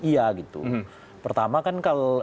iya gitu pertama kan